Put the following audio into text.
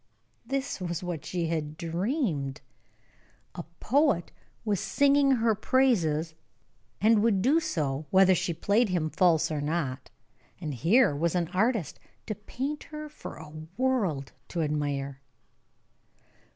This was what she had dreamed. A poet was singing her praises, and would do so, whether she played him false or not; and here was an artist to paint her for a world to admire.